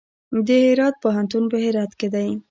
د هرات پوهنتون په هرات کې دی